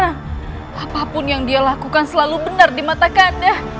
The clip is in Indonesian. apapun yang dia lakukan selalu benar di mata ganda